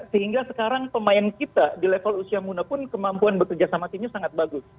sehingga sekarang pemain kita di level usia muda pun kemampuan bekerja sama timnya sangat bagus